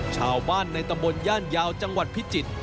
ชาวบ้านในตำบลย่านยาวจังหวัดพิจิตร